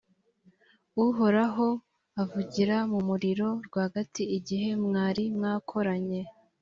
uhoraho avugira mu muriro rwagati, igihe mwari mwakoranye.